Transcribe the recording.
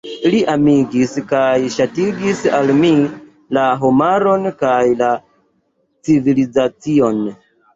Li amigis kaj ŝatigis al mi la homaron kaj la civilizacion.